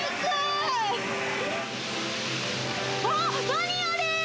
何あれ？